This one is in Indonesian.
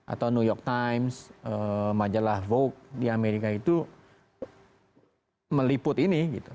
atau new york times majalah vogue di amerika itu meliput ini gitu